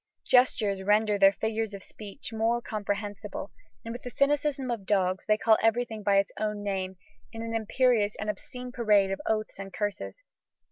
Gestures render their figures of speech more comprehensible; with the cynicism of dogs, they call everything by its own name, in an impious and obscene parade of oaths and curses.